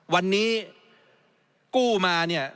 วันนี้กู้มา